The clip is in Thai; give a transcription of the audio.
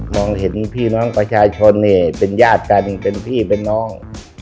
เห็นพี่น้องประชาชนเนี่ยเป็นญาติกันเป็นพี่เป็นน้อง